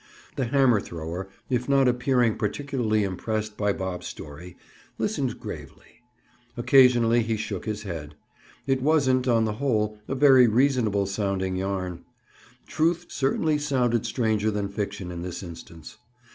The hammer thrower, if not appearing particularly impressed by Bob's story, listened gravely; occasionally he shook his head. It wasn't, on the whole, a very reasonable sounding yarn. Truth certainly sounded stranger than fiction in this instance.